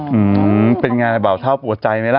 อืมเป็นไงเบาเท่าปวดใจไหมล่ะ